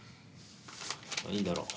いいだろう。